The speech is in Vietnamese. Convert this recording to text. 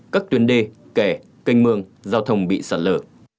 các tuyến đê kè canh mương giao thông bị sạt lở